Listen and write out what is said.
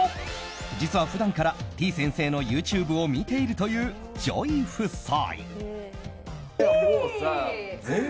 実は普段からてぃ先生のＹｏｕＴｕｂｅを見ているというＪＯＹ夫妻。